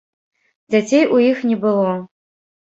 Дзяцей у іх не было.